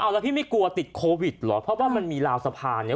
แล้วพี่ไม่กลัวติดโควิดเหรอเพราะว่ามันมีราวสะพานไง